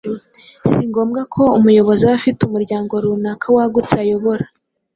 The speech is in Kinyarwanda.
Si ngombwa ngo umuyobozi abe afite umuryango runaka wagutse ayobora.